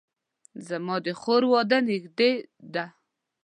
زما د خور واده نږدې ده